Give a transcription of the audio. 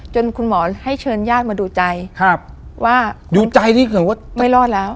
คุณหมอให้เชิญญาติมาดูใจครับว่าดูใจที่เกิดว่าไม่รอดแล้ว